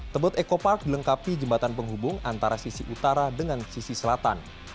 tebet eco park dilengkapi jembatan penghubung antara sisi utara dengan sisi selatan